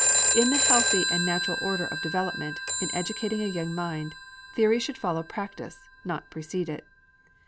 In the healthy and natural order of development in educating a young mind, theory should follow practice, not precede it.